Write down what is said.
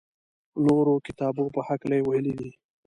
نورو کتابو په هکله یې ویلي دي.